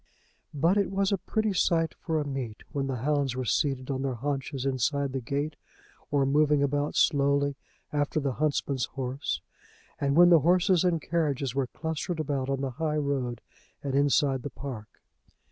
But it was a pretty site for a meet when the hounds were seated on their haunches inside the gate, or moving about slowly after the huntsman's horse, and when the horses and carriages were clustered about on the high road and inside the park.